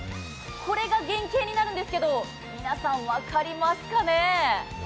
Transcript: これが原型になるんですけど、皆さん、分かりますかね。